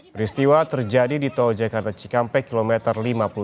peristiwa terjadi di tol jakarta cikampek kilometer lima puluh tujuh